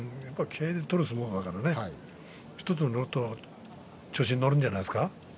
気合いで取る相撲だからね１つ乗ると調子に乗るんじゃないですか。